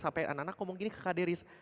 sampai anak anak ngomong gini ke kak deris